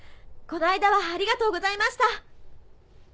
この間はありがとうございました。